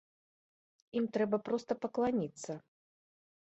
Ім трэба проста пакланіцца.